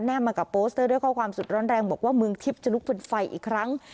มากับโปสเตอร์ด้วยข้อความสุดร้อนแรงบอกว่าเมืองทิพย์จะลุกเป็นไฟอีกครั้ง